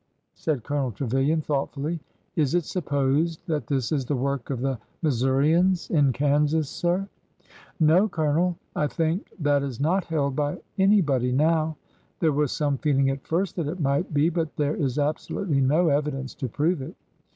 said Colonel Trevilian, thoughtfully. 'Ms it supposed that this is the work of the Missourians in Kansas, sir? "'' No, Colonel ; I think that is not held by anybody now. There was some feeling at first that it might be, but there is absolutely no evidence to prove it.